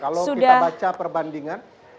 kalau kita baca perbandingan